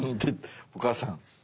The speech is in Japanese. お母さん。